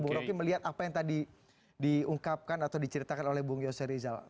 bung roki melihat apa yang tadi diungkapkan atau diceritakan oleh bu giyose rizal